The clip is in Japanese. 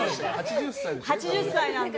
８０歳なんです。